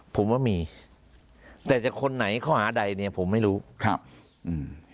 ผมว่ามีแต่จะคนไหนข้อหาใดเนี้ยผมไม่รู้ครับอืม